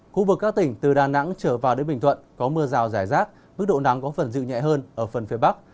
khu vực các tỉnh từ đà nẵng trở vào đến bình thuận có mưa rào rải rác mức độ nắng có phần dịu nhẹ hơn ở phần phía bắc